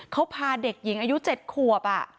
เขาพาเด็กหญิงอายุ๗ขวบ